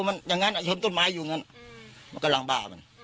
มันอย่างนั้นชนต้นไม้อยู่อย่างนั้นมันกำลังบ้ามัน